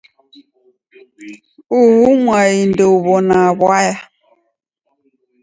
Uhu mwai odow'ona w'aya.